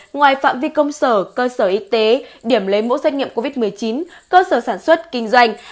ngoài phạm vi công sở cơ sở y tế điểm lấy mẫu xét nghiệm covid một mươi chín cơ sở sản xuất kinh doanh